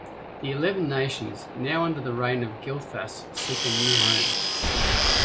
The elven nations, now under the reign of Gilthas, seek a new home.